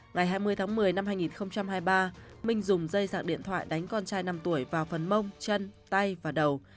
ngày hai mươi tháng một mươi năm hai nghìn hai mươi ba minh dùng dây dạng điện thoại đánh con trai năm tuổi vào phần mông chân tay và đầu